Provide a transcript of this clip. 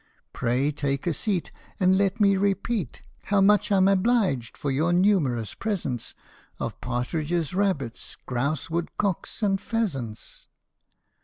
Pray take a seat, And let me repeat How much I 'm obliged for your numerous presents Of partridges, rabbits, grouse, woodcocks, and pheasants.